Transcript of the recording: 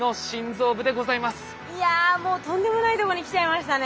いやもうとんでもないとこに来ちゃいましたね。